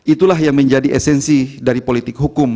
itulah yang menjadi esensi dari politik hukum